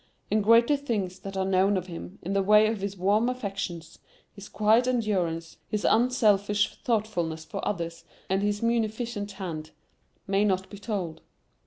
And greater things that are known of him, in the way of his warm affections, his quiet endurance, his unselfish thoughtfulness for others, and his munificent hand, may not be told.